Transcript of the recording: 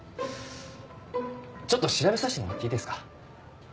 ちょっと調べさせてもらっていいですか？